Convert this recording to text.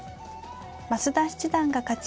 増田七段が勝ち